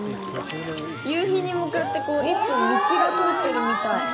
夕日に向かって、一本、道が通ってるみたい。